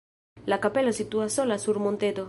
La kapelo situas sola sur monteto.